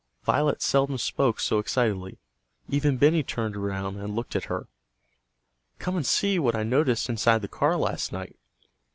Violet seldom spoke so excitedly. Even Benny turned around and looked at her. "Come and see what I noticed inside the car last night!"